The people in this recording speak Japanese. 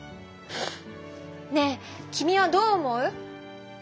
ねえ君はどう思う？